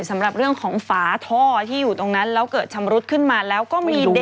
สำหรับเรื่องของฝาท่อที่อยู่ตรงนั้นแล้วเกิดชำรุดขึ้นมาแล้วก็มีเด็ก